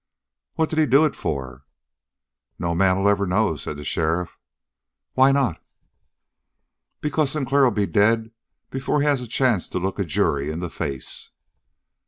"What did he do it for?" "No man'll ever know," said the sheriff. "Why not?" "Because Sinclair'll be dead before he has a chance to look a jury in the face."